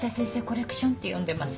コレクションって呼んでます